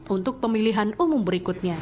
untuk pemilihan umum berikutnya